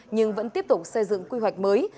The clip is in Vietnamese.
nhưng vẫn tiếp tục xây dựng quy hoạch mới